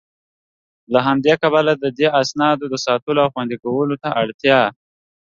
له همدي کبله د دې اسنادو د ساتلو او خوندي کولو ته اړتيا